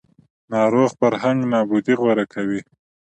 ناروغ فرهنګ نابودي غوره کوي